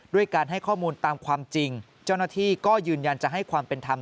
ด้วยการให้ข้อมูลตามความจริงเจ้าหน้าที่ก็ยืนยันจะให้ความเป็นธรรม